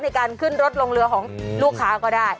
ในการขึ้นรถลงเรือของลูกค้าก็ได้